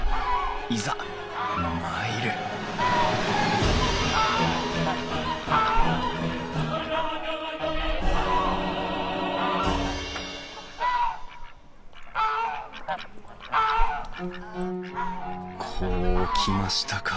いざ参るこうきましたか。